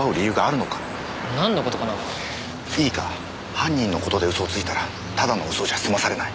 犯人の事で嘘をついたらただの嘘じゃ済まされない。